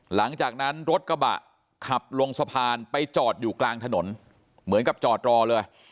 หลังจากนั้นรถกระบะขับลงสะพานไปจอดอยู่กลางถนนเหมือนกับจอดรอเลย